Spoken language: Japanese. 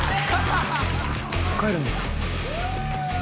帰るんですか？